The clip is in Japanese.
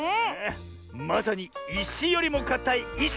まさにいしよりもかたいいし！